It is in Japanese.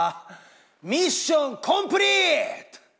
ミッションコンプリート！